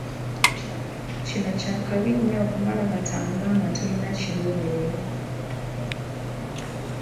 Kino kya kabi nnyo okumala gatambula nga tolina kiruubirirwa.